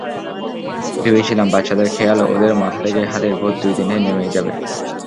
ভেবেছিলাম বাচ্চাদের খেয়াল, ওদের মাথা থেকে হাতির ভূত দুই দিনেই নেমে যাবে।